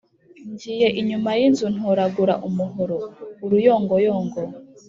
Ngiye inyuma y'inzu ntoragura umuhoro-Uruyongoyongo.